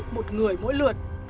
một người mỗi lượt